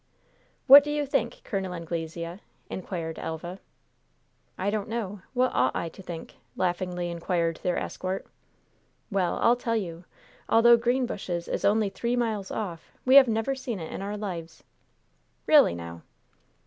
"What do you think, Col. Anglesea?" inquired Elva. "I don't know. What ought I to think?" laughingly inquired their escort. "Well, I'll tell you. Although Greenbushes is only three miles off, we have never seen it in our lives." "Really, now?"